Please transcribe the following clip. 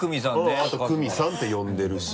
うん「クミさん」って呼んでるし。